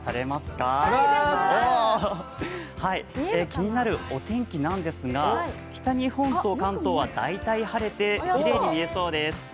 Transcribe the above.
気になるお天気なんですが、北日本と関東は、大体晴れてきれいに見れそうです。